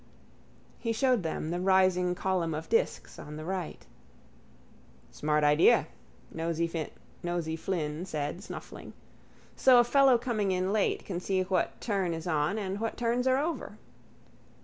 He showed them the rising column of disks on the right. —Smart idea, Nosey Flynn said, snuffling. So a fellow coming in late can see what turn is on and what turns are over.